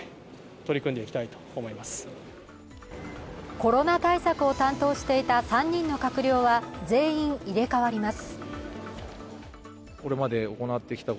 コロナ対策を担当していた３人の閣僚は全員、入れ替わります。